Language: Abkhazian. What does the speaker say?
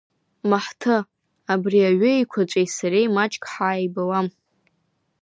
Маҳҭы, абри аҩы еиқәаҵәеи сареи маҷк ҳааибуам.